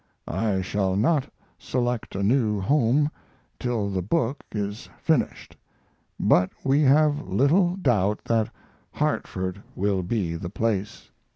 I shall not select a new home till the book is finished, but we have little doubt that Hartford will be the place.